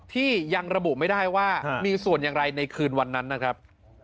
ที่ยังระบุไม่ได้ว่ามีส่วนอย่างไรในคืนวันนั้นนะครับ